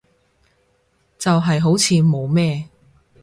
就係好似冇咩